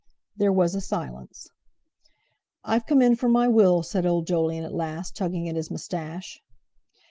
There was a silence. "I've come in for my Will," said old Jolyon at last, tugging at his moustache.